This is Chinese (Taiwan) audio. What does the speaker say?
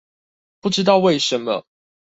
不知道為什麼